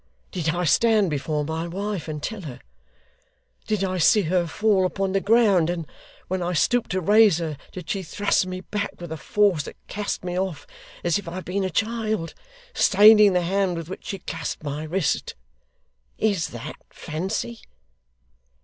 Did I stand before my wife, and tell her? Did I see her fall upon the ground; and, when I stooped to raise her, did she thrust me back with a force that cast me off as if I had been a child, staining the hand with which she clasped my wrist? Is THAT fancy?